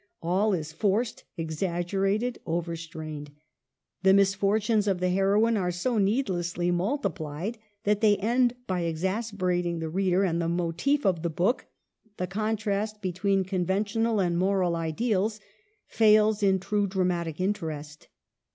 All is forced, exaggerated, overstrained. The misfortunes of the heroine are so needlessly multiplied, that they end by exasperating the reader ; and the motif of the book — the contrast between conventional and moral ideals — fails in true dramatic interest.